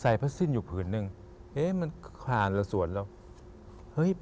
ใส่พัดสิ้นอยู่ผืนนึงมันผ่านละส่วนแล้ว